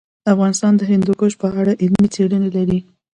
افغانستان د هندوکش په اړه علمي څېړنې لري.